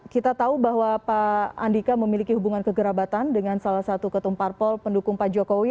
kita tahu bahwa pak andika memiliki hubungan kegerabatan dengan salah satu ketumparpol pendukung pak jokowi